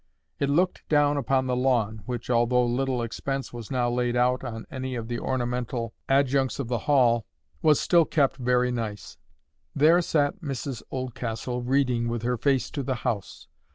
It looked down upon the lawn, which, although little expense was now laid out on any of the ornamental adjuncts of the Hall, was still kept very nice. There sat Mrs Oldcastle reading, with her face to the house.